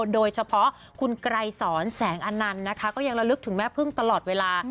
โดยเฉพาะคุณไกรสอนแสงอนันต์นะคะก็ยังระลึกถึงแม่พึ่งตลอดเวลา